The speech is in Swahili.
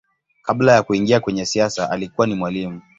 Kabla ya kuingia kwenye siasa alikuwa ni mwalimu.